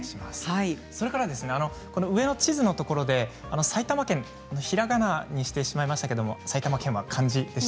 上の地図のところで埼玉県がひらがなになっていましたけれど埼玉県は漢字です。